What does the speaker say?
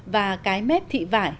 và cái mép thị vải